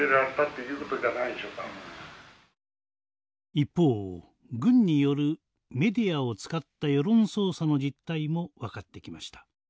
一方軍によるメディアを使った世論操作の実態も分かってきました。